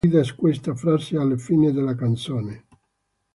Ringo Starr grida questa frase alla fine della canzone.